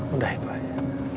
udah itu aja